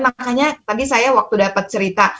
makanya tadi saya waktu dapat cerita